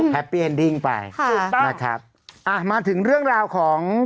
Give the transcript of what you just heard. แฮปปี้เอ็นดิ้งไปค่ะนะครับอ่ะมาถึงเรื่องราวของ